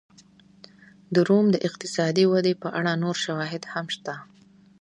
د روم د اقتصادي ودې په اړه نور شواهد هم شته